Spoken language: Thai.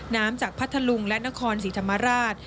น้ำจากพัทธลุงและนครศรีธรรมราช